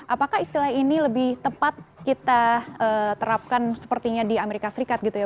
apakah istilah ini lebih tepat kita terapkan sepertinya di amerika serikat gitu ya